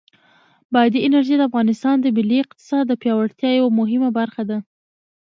بادي انرژي د افغانستان د ملي اقتصاد د پیاوړتیا یوه مهمه برخه ده.